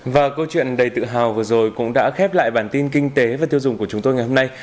và câu chuyện đầy tự hào vừa rồi cũng đã khép lại bản tin kinh tế và tiêu dùng của chúng tôi ngày hôm nay